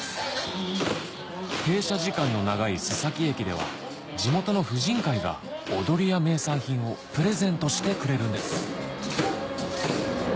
停車時間の長い須崎駅では地元の婦人会が踊りや名産品をプレゼントしてくれるんです